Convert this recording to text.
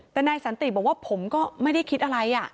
แต่นายสันติบอกว่าผมก็ไม่ได้คิดอะไร